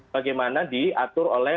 bagaimana diatur oleh